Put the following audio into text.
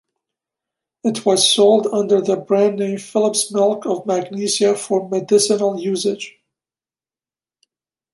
It was sold under the brand name "Phillips' Milk of Magnesia" for medicinal usage.